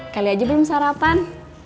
kali aja belum sarapan